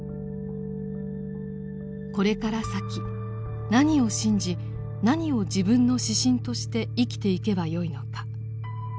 これから先何を信じ何を自分の指針として生きていけばよいのか。